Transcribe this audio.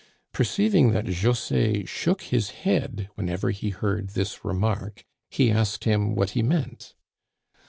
Perceiving that José shook his head whenever he heard this remark, he asked him what he meant.